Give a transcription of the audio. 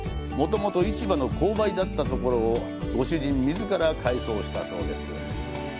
もともと市場の購買だったところをご主人自ら改装したそうです。